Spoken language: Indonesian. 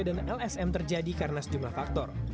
dan lsm terjadi karena sejumlah faktor